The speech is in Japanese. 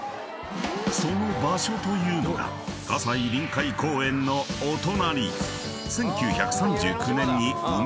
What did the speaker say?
［その場所というのが西臨海公園のお隣］